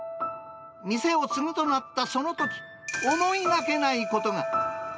店を継ぐとなったそのとき、思いがけないことが。